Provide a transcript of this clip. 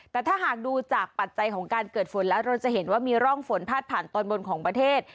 แต่ถ้าหากดูจากปัจจัยของการเกิดฝนแล้วเราจะเห็นว่ามีร่องฝนพาดผ่านตอนบนของประเทศ